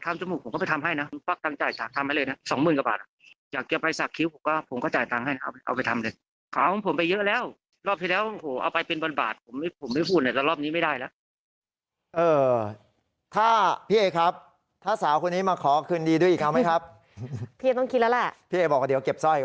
เมื่อก่อนอยากทำจมูกผมก็ไปทำให้